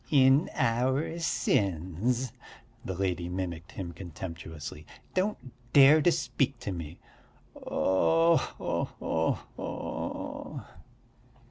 "In our sins," the lady mimicked him contemptuously. "Don't dare to speak to me." "Oh ho ho ho!"